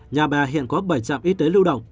nhà bà hiện có bảy trạm y tế lưu động